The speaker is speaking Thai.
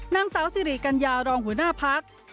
นางสาวสิริกัญญารองหัวหน้าพัก